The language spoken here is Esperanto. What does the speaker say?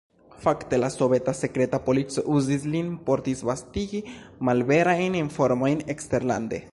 Fakte la soveta sekreta polico uzis lin por disvastigi malverajn informojn eksterlande.